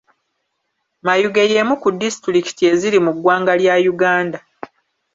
Mayuge y'emu ku disitulikiti eziri mu ggwanga lya Uganda.